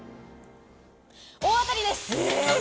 大当たりです。